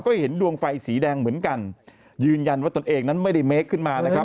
ก็เห็นดวงไฟสีแดงเหมือนกันยืนยันว่าตนเองนั้นไม่ได้เมคขึ้นมานะครับ